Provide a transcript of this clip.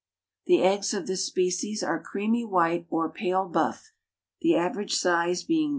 The eggs of this species are creamy white or pale buff, the average size being 1.